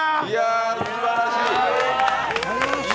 すばらしい！